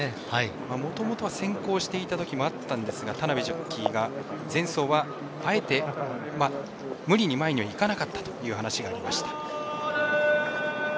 もともとは先行していたときもあったんですけども田辺ジョッキーが前走は、あえて無理に前には行かなかったという話がありました。